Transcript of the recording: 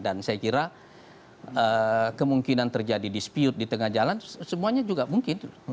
dan saya kira kemungkinan terjadi dispute di tengah jalan semuanya juga mungkin